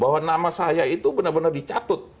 bahwa nama saya itu benar benar dicatut